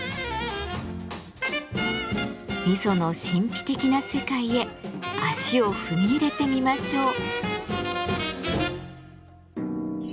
味噌の神秘的な世界へ足を踏み入れてみましょう。